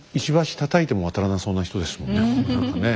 たたいても渡らなそうな人ですもんね何かね。